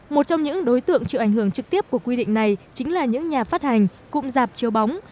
một trong những đối tượng chịu ảnh hưởng trực tiếp của quy định này chính là những nhà phát hành cụm rạp chiếu bóng